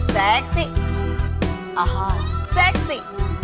ซ่๊กซี่